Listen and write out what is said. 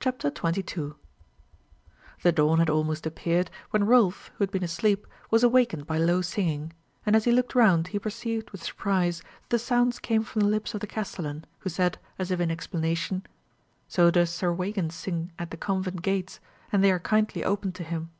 CHAPTER 22 The dawn had almost appeared, when Rolf, who had been asleep, was awakened by low singing; and as he looked round, he perceived, with surprise, that the sounds came from the lips of the castellan, who said, as if in explanation, "So does Sir Weigand sing at the convent gates, and they are kindly opened to him."